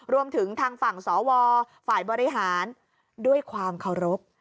รวมถึงทางฝั่งสวฝ่ายบริหารด้วยความเคารพ